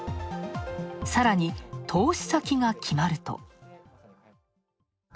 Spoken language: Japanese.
さらに、投資先が決まると。